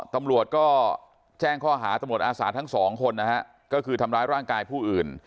ตำรวจแจ้งฮาว์ตำรวจอาศาทั้ง๒คนทำร้ายร่างกายผู้อื่น